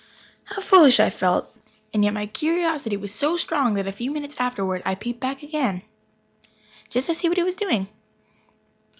How foolish I felt! And yet my curiosity was so strong that a few minutes afterward I peeped back again, just to see what he was doing.